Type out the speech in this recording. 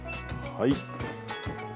はい。